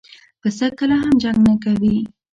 پسه کله هم جنګ نه کوي.